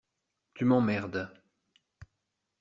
Tu m’emmerdes.